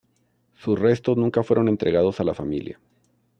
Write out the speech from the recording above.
Sus restos nunca fueron entregados a la familia.